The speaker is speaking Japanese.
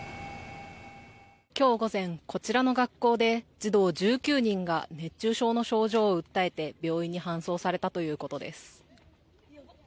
今日午前、こちらの学校で児童１９人が熱中症の症状を訴えて病院に搬送されたということです。